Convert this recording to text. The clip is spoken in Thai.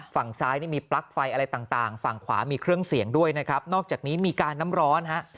ฝั่งซ้ายนี่มีปลั๊กไฟอะไรต่างฝั่งขวามีเครื่องเสียงด้วยนะครับนอกจากนี้มีการน้ำร้อนฮะ